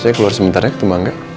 saya keluar sebentar ya ketemu angga